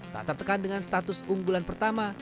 tak tertekan dengan status unggulan pertama